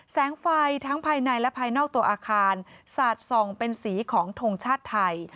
แสงไฟทั้งภายในและภายนอกตัวอาคารสาดส่องเป็นสีของทงชาติไทย